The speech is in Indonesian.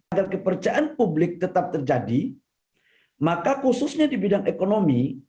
agar kepercayaan publik tetap terjadi maka khususnya di bidang ekonomi